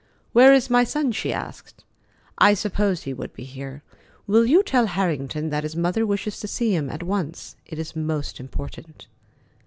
"Where is my son?" she asked. "I supposed he would be here. Will you tell Harrington that his mother wishes to see him at once? It is most important."